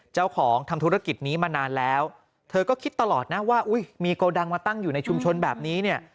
ทำธุรกิจนี้มานานแล้วเธอก็คิดตลอดนะว่าอุ้ยมีโกดังมาตั้งอยู่ในชุมชนแบบนี้เนี่ย